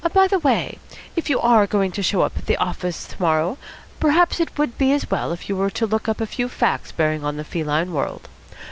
By the way, if you are going to show up at the office to morrow, perhaps it would be as well if you were to look up a few facts bearing on the feline world.